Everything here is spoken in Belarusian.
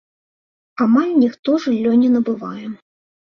Амаль ніхто жыллё не набывае.